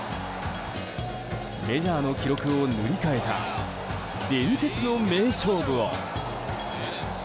メジャーの記録を塗り替えた伝説の名勝負を。